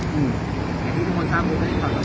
อย่างที่ทุกคนทำบูธตัวเราจ๋นั้นเราก็แต่ว่าอันนี้หมอสาร